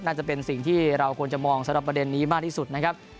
มันจะมองสำหรับประเด็นนี้มากที่สุดนะครับ